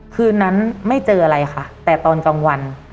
คืนนั้นไม่เจออะไรค่ะแต่ตอนกลางวัน